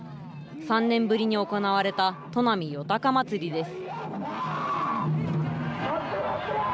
３年ぶりに行われた、となみ夜高まつりです。